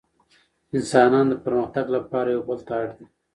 انسانان د پرمختګ لپاره يو بل ته اړ دي.